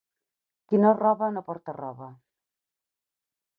Qui no roba no porta roba.